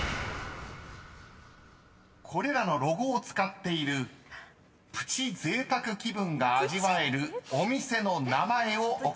［これらのロゴを使っているプチ贅沢気分が味わえるお店の名前をお答えください］